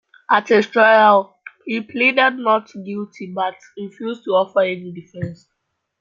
At his trial he pleaded not guilty, but refused to offer any defence.